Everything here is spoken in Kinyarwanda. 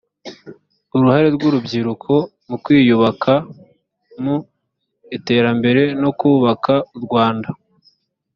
uruhare rw urubyiruko mu kwiyubaka mu iterambere no kubaka u rwanda